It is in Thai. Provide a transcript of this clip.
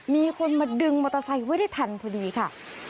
มีคนมาดึงมอเตอร์ไซค์ไว้ได้ทันพอดีค่ะ